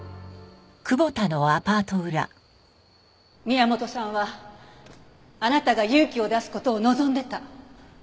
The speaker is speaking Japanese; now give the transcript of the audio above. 宮本さんはあなたが勇気を出す事を望んでた。